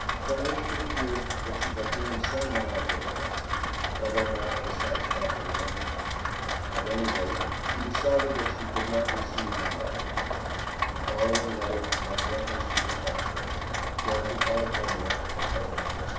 from which it appears that she had gained some knowledge of her husband, although not of a satisfactory nature. At any rate she decided that she could not receive him back again. The following letter has reference to her prospects, going to California, her husband, etc.